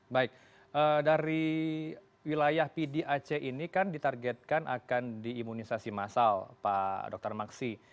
baik dari wilayah pdac ini kan ditargetkan akan diimunisasi massal pak dr maksi